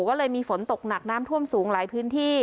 ก็เลยมีฝนตกหนักน้ำท่วมสูงหลายพื้นที่